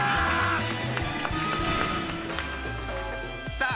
さあ